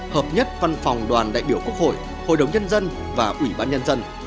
hợp nhất văn phòng đoàn đại biểu quốc hội hội đồng nhân dân và ủy ban nhân dân